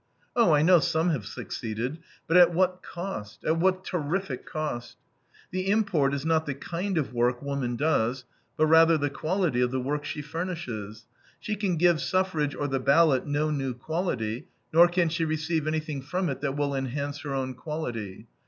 Oh, I know some have succeeded, but at what cost, at what terrific cost! The import is not the kind of work woman does, but rather the quality of the work she furnishes. She can give suffrage or the ballot no new quality, nor can she receive anything from it that will enhance her own quality.